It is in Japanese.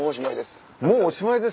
もうおしまいです。